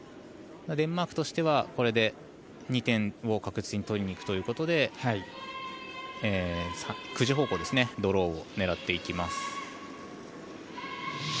デンマークとしてはこれで２点を確実に取りに行くということで９時方向にドローを狙っていきます。